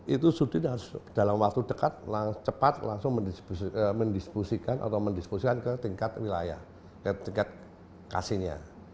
itu sudin dalam waktu dekat cepat langsung mendisposikan ke tingkat wilayah ke tingkat kasinya